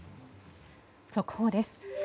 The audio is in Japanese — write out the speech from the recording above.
速報です。